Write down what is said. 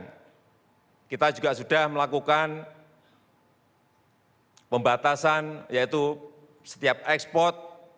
kita juga sudah melakukan pembatasan yaitu setiap ekspor